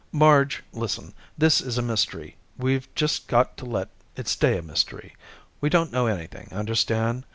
Marge, listen! This is a mystery. We've just got to let it stay a mystery. We don't know anything, understand?